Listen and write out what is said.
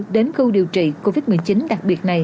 đến khâu điều trị covid một mươi chín đặc biệt này